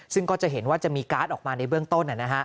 ซึ่งก็จะเห็นว่าจะมีการ์ดออกมาในเบื้องต้น